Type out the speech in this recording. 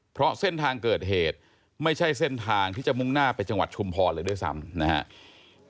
เพราะเส้นทางเกิดเหตุไม่ใช่เส้นทางที่จะมุ่งหน้าไปจังหวัดชุมพรเลยด้วยซ้ำนะครับ